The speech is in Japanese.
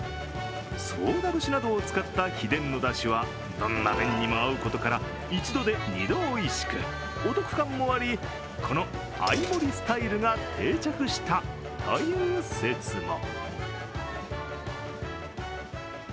宋田節などを使った秘伝のだしはどんな麺にも合うことから１度で２度おいしくお得感もあり、この合い盛りスタイルが定着したという説も。